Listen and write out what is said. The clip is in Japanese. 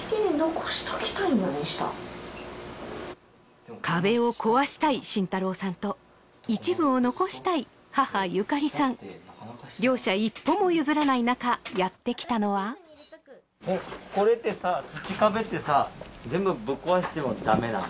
私壁を壊したい真太郎さんと一部を残したい母・ゆかりさん両者一歩も譲らない中やってきたのはこれってさ土壁ってさ全部ぶっ壊してはダメなの？